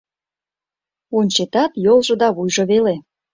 Ончетат, йолжо да вуйжо веле.